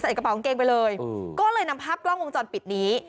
ใส่กระเป๋องเกงไปเลยก็เลยนำภาพกล้องวงจรปิดนี้